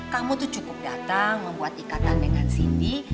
kamu tuh cukup datang membuat ikatan dengan cindy